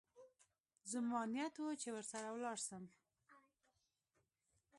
زما نيت و چې ورسره ولاړ سم.